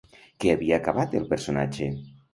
Què havia acabat el personatge?